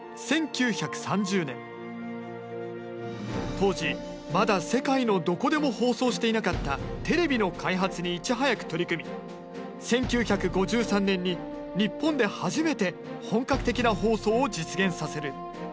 当時まだ世界のどこでも放送していなかったテレビの開発にいち早く取り組み１９５３年に日本で初めて本格的な放送を実現させる。